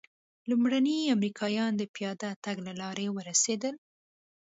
لومړني امریکایان د پیاده تګ له لارې ورسېدل.